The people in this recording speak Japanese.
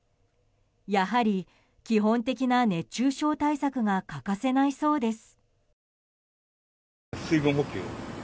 やはり基本的な熱中症対策が欠かせないそうです。